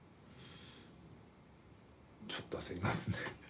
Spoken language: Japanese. ちょっと焦りますね。